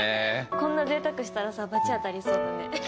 こんな贅沢したらさ罰当たりそうだね。